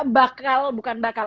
bakal bukan bakal